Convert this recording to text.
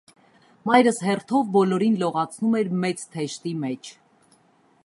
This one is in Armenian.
Մայրս հերթով բոլորին լողացնում էր մեծ «թեշտի» մեջ: